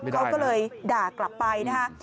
เขาก็เลยด่ากลับไปนะฮะ